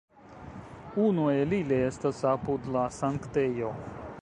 Unu el ili estas apud la Sanktejo.